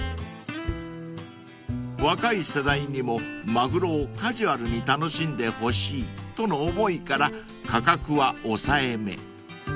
［若い世代にもマグロをカジュアルに楽しんでほしいとの思いから価格は抑えめ］